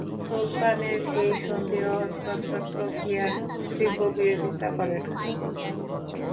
সুলতানের এই সন্ধি ও হস্তান্তর প্রক্রিয়ার তীব্র বিরোধিতা করেন।